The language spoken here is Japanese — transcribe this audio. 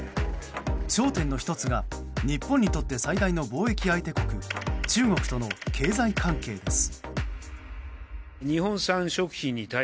焦点の１つが日本にとって最大の貿易相手国中国との経済関係です。